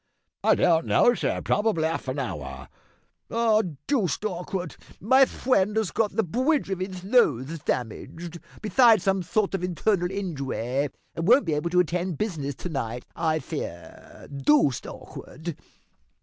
"Don't know, sir, probably half an hour." "Aw! Dooced awkwad. My fwend has got the bwidge of his nose damaged, besides some sort of internal injuway, and won't be able to attend to business to night, I fear dooced awkwad."